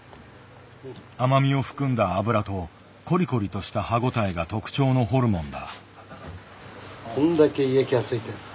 甘みを含んだ脂とコリコリとした歯応えが特徴のホルモンだ。